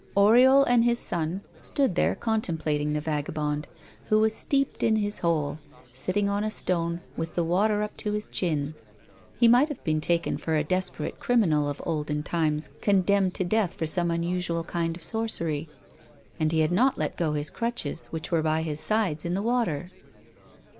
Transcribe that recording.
Oriol and his son stood there contemplating the vagabond, who was steeped in his hole, sitting on a stone, with the water up to his chin. He might have been taken for a desperate criminal of olden times condemned to death for some unusual kind of sorcery; and he had not let go his crutches, which were by his sides in the water.